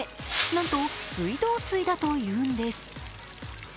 なんと水道水だというのです。